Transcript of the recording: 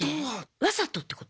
わざとってこと？